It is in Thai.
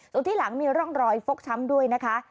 ส่วนที่หลังมีร่องรอยฟกช้ำด้วยนะคะ